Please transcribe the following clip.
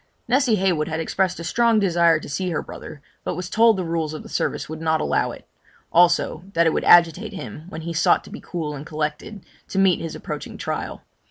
Nessy Heywood had expressed a strong desire to see her brother, but was told the rules of the service would not allow it; also, that it would agitate him, when he ought to be cool and collected, to meet his approaching trial.